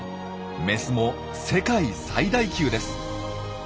メスも世界最大級です。